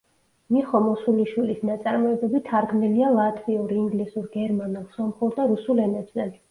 მიხო მოსულიშვილის ნაწარმოებები თარგმნილია ლატვიურ, ინგლისურ, გერმანულ, სომხურ და რუსულ ენებზე.